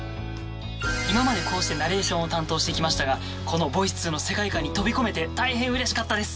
今までこうしてナレーションを担当して来ましたがこの『ボイス』の世界観に飛び込めて大変うれしかったです